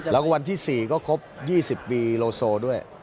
แล้วก็วันที่๔ก็ครบ๒๐ปีโลโซด้วย